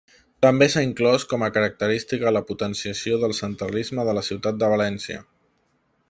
També s'ha inclòs com a característica la potenciació del centralisme de la ciutat de València.